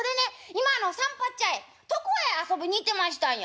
今散髪屋へ床屋へ遊びに行ってましたんや」。